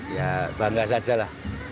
ya bangga saja lah